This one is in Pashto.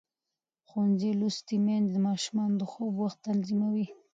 ښوونځې لوستې میندې د ماشومانو د خوب وخت تنظیموي.